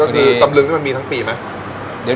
ตำรึงมันมีทั้งปีไหม